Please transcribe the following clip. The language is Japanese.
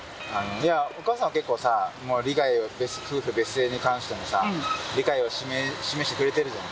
お母さんは結構さ夫婦別姓に関してのさ理解を示してくれてるじゃん。